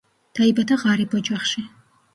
დაიბადა ღარიბ ოჯახში.